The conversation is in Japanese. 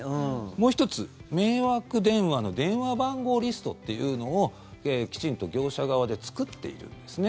もう１つ、迷惑電話の電話番号リストというのをきちんと業者側で作っているんですね。